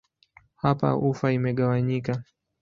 Hapa ufa imegawanyika.